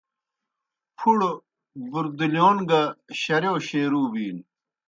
پُھڑو بُردِلِیون گہ شرِیؤ شیروع بِینوْ۔